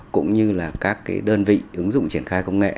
cũng như là các đơn vị ứng dụng triển khai công nghệ